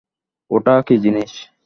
ওটা কী জিনিস?